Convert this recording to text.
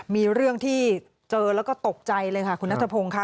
มีเรื่องที่เจอแล้วก็ตกใจเลยค่ะคุณนัทพงศ์ค่ะ